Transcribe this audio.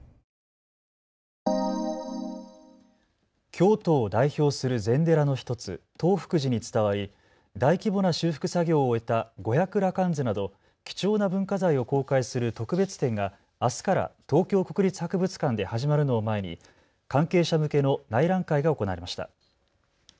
京都を代表する禅寺の１つ、東福寺に伝わり大規模な修復作業を終えた五百羅漢図など貴重な文化財を公開する特別展があすから東京国立博物館で始まるのを前に関係者向けの内覧会が行われました。